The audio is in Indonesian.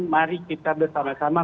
mari kita bersama sama